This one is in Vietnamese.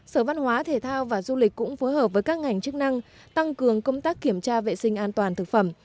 sở văn hóa thể thao và du lịch cũng phối hợp với các ngành chức năng tăng cường công tác kiểm tra vệ sinh an toàn thực phẩm